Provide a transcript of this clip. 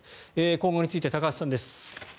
今後について高橋さんです。